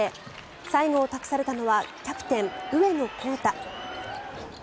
最後を託されたのはキャプテン、上野幸太。